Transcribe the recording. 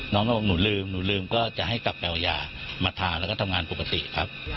น้องก็บอกหนูลืมหนูลืมก็จะให้กลับไปเอายามาทานแล้วก็ทำงานปกติครับ